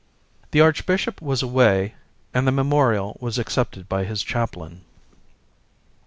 The Archbishop was away and the memorial was accepted by his chaplain.